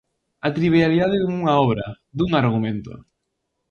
A trivialidade dunha obra, dun argumento.